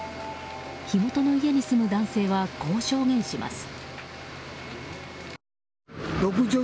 火元の家に住む男性はこう証言します。